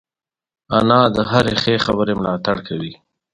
انا د هرې ښې خبرې ملاتړ کوي